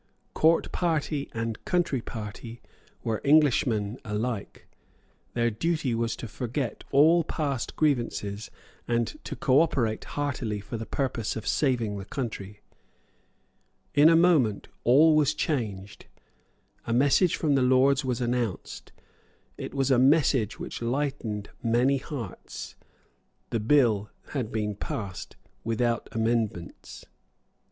Court party and country party were Englishmen alike. Their duty was to forget all past grievances, and to cooperate heartily for the purpose of saving the country. In a moment all was changed. A message from the Lords was announced. It was a message which lightened many heavy hearts. The bill had been passed without amendments.